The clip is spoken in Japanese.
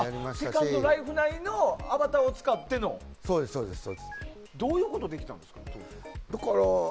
セカンドライフ内のアバターを使ってのどういうことができたんですか？